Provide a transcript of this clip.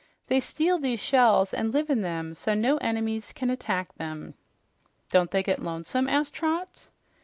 "They steal these shells and live in them so no enemies can attack them." "Don't they get lonesome?" asked Trot.